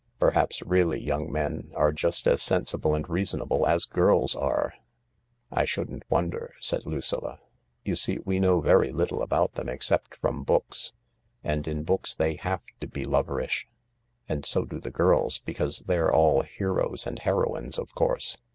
Perhaps really yo^ng men are just as seijsible ai$ reasonable as girls are." " I shouldn't wonder," said Lucilla. " You see, we know very little about them except from books. And in books they have to be loverish, and so do the girls, because they're all heroes and heroines, of course.